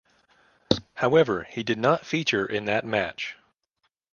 However he did not feature in that match.